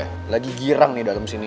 kamu sedang girang di dalam sini